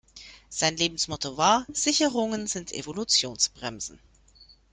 Sein Lebensmotto war: Sicherungen sind Evolutionsbremsen.